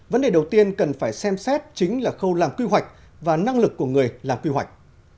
vấn đề đầu tiên cần phải xem xét chính là khâu làm quy hoạch và năng lực của người làm quy hoạch